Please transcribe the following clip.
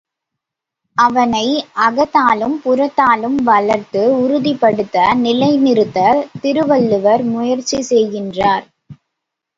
அவனை அகத்தாலும் புறத்தாலும் வளர்த்து உறுதிப்படுத்த நிலைநிறுத்த திருவள்ளுவர் முயற்சி செய்கின்றார்.